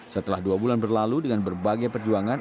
setelah dua bulan berlalu dengan berbagai perjuangan